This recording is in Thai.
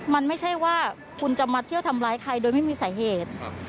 มันไม่ใช่ว่าคุณจะมาเที่ยวทำร้ายใครโดยไม่มีสาเหตุ